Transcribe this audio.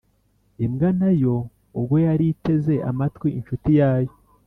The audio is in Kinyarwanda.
imbwa na yo, ubwo yari iteze amatwi inshuti yayo,